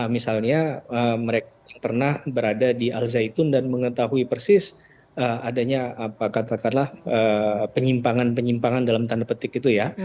misalnya mereka yang pernah berada di al zaitun dan mengetahui persis adanya apa katakanlah penyimpangan penyimpangan dalam tanda petik itu ya